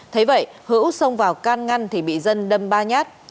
thấy vậy hữu xông vào can ngăn thì bị dân đâm ba nhát